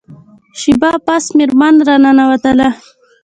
شیبه پس میرمن را ننوتله.